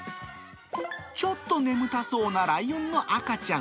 ちょっと眠たそうなライオンの赤ちゃん。